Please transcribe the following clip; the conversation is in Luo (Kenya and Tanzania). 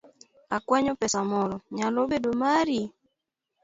Akwanyo pesa moro , nyalo bedo mari?